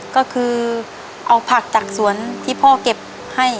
ก็คือเอาผักจากสวนที่พ่อเก็บให้